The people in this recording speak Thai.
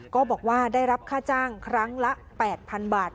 ก็บอกว่าได้รับค่าจ้างครั้งละ๘๐๐๐บาท